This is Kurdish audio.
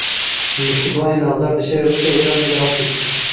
Lîstikvanê navdar di şerê Rûsya û Ukraynayê de hat kuştin.